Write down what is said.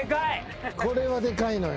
これはでかいのよ。